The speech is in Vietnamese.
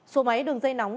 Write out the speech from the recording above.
số máy đường dây nóng